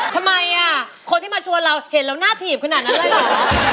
ทำไมคนที่มาชวนเราเห็นแล้วหน้าถีบขนาดนั้นเลยเหรอ